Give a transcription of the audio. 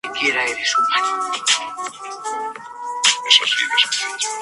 Y en la construcción de discurso.